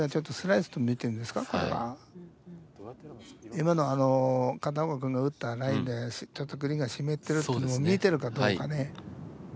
今のあの片岡君が打ったラインでちょっとグリーンが湿ってるっていうのを見てるかどうかね。